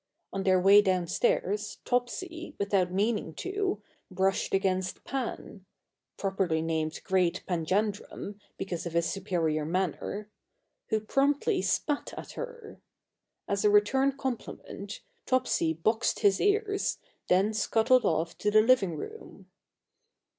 On their way downstairs Topsy, without meaning to, brushed against Pan properly named Great Panjandrum because of his superior manner who promptly spat at her. As a return compliment, Topsy boxed his ears, then scuttled off to the living room.